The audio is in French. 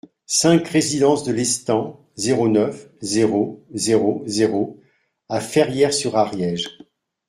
cinq résidence de Lestang, zéro neuf, zéro zéro zéro à Ferrières-sur-Ariège